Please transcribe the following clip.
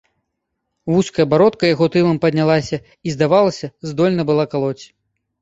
Вузкая бародка яго тылам паднялася і, здавалася, здольна была калоць.